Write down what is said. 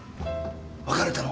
別れたの？